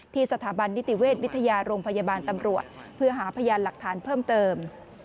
สถาบันนิติเวชวิทยาโรงพยาบาลตำรวจเพื่อหาพยานหลักฐานเพิ่มเติม